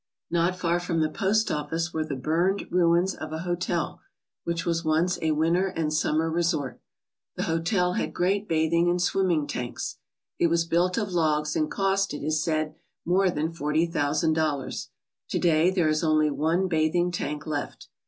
Not far from the post office were the burned ruins of a hotel, which was once a winter and summer resort. The hotel had great bathing and swim ming tanks. It was built of logs and cost, it is said, more than forty thousand dollars. To day there is only one bathing tank left.